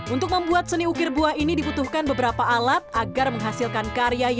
untuk membuat seni ukir buah ini dibutuhkan beberapa alat agar menghasilkan karya yang